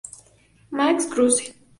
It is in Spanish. Max Kruse